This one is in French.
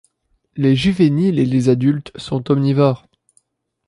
Les juvéniles et les adultes sont omnivores.